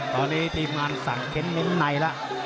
ตอนนี้ทีมอันสั่งเข็นในละ